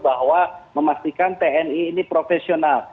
bahwa memastikan tni ini profesional